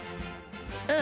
うん。